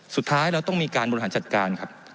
สุดท้ายเราต้องมีการบริหารจัดการครับ